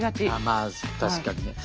まあ確かにね。